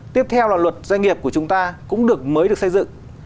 tiếp theo là luật doanh nghiệp của chúng ta cũng được mới được xây dựng